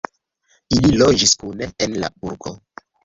Ili loĝis kune en la burgo.